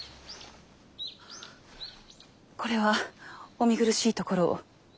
これはお見苦しいところを。